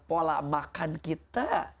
pola makan kita